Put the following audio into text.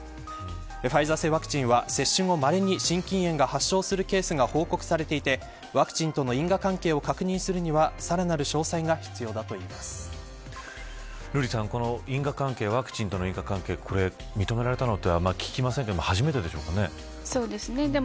ファイザー製ワクチンは接種後、まれに心筋炎が発症するケースが報告されていてワクチンとの因果関係を確認するにはさらなる詳細が瑠麗さん、この因果関係認められたのは聞きませんが初めてでしょうか。